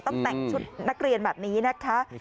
ต้องแต่งชุดนักเรียนแบบนี้นะคะ